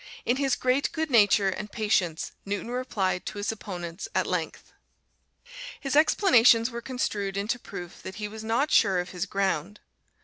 In his great good nature and patience Newton replied to his opponents at length. His explanations were construed into proof that he was not sure of his ground.